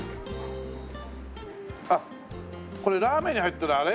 あっこれラーメンに入ってるあれ？